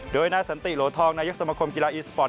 โดยนายสันติโหลทองนายกสมคมกีฬาอีสปอร์ต